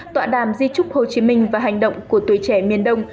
tọa đàm di trúc hồ chí minh và hành động của tuổi trẻ miền đông